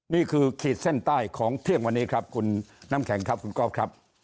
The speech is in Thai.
ขีดเส้นใต้ของเที่ยงวันนี้ครับคุณน้ำแข็งครับคุณก๊อฟครับ